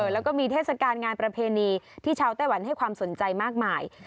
แล้วก็มีเทศกาลงานประเพณีที่ชาวไต้หวันให้ความสนใจมากมาย